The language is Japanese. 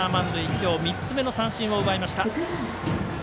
今日３つ目の三振を奪いました。